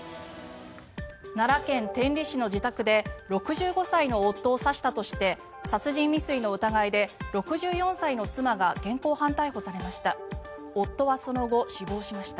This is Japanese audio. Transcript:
奈良県天理市の自宅で６５歳の夫を刺したとして殺人未遂の疑いで６４歳の妻が現行犯逮捕されました。